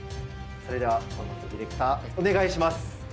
それでは小野瀬ディレクターお願いします。